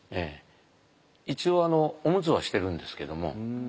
一応オムツはしてるんですけども。